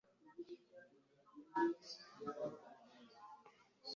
mu gihe hafi cyibyumweru bitandatu kubwo umuntu